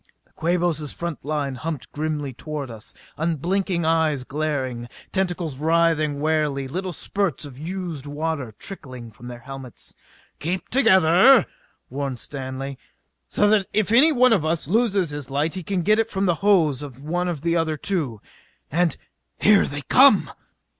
The Quabos' front line humped grimly toward us, unblinking eyes glaring, tentacles writhing warily, little spurts of used water trickling from their helmets. "Keep together," warned Stanley, "so that if any one of us loses his light he can get it from the hose of one of the other two. And _Here they come!